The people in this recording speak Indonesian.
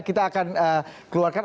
kita akan keluarkan